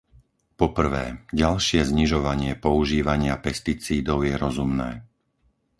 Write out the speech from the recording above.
Po prvé, ďalšie znižovanie používania pesticídov je rozumné.